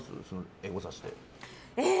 エゴサして。